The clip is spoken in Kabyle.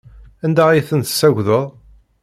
Anda ay tent-tessagdeḍ?